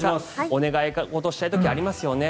お願い事をしたい時ありますよね。